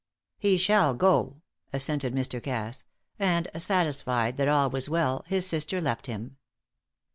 "He shall go," assented Mr. Cass and, satisfied that all was well, his sister left him.